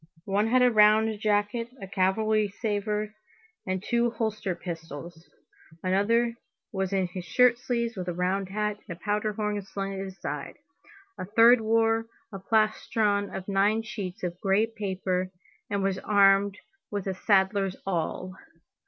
One had a round jacket, a cavalry sabre, and two holster pistols, another was in his shirt sleeves, with a round hat, and a powder horn slung at his side, a third wore a plastron of nine sheets of gray paper and was armed with a saddler's awl.